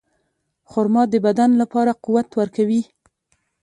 خرما د بدن لپاره قوت ورکوي.